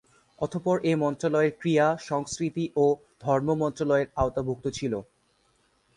অতঃপর এ মন্ত্রণালয়ের ক্রীড়া, সংস্কৃতি ও ধর্ম মন্ত্রণালয়ের আওতাভুক্ত ছিল।